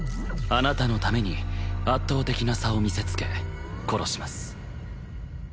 あなたのために圧倒的な差を見せつけ殺します